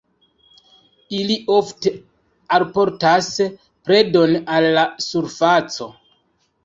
Ili ofte alportas predon al la surfaco.